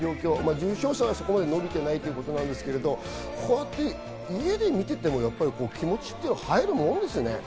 重症者数はそこまで伸びていないんですが、こうやって家で見てても気持ちって入るもんですよね。